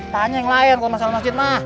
tanya yang lain kalo masalah masjid mah